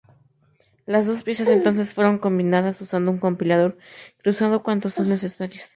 Las dos piezas entonces fueron combinadas, usando un compilador cruzado cuando son necesarias.